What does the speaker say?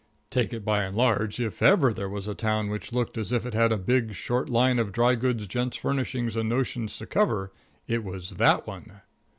Take it by and large, if ever there was a town which looked as if it had a big, short line of dry goods, gents' furnishings and notions to cover, it was that one.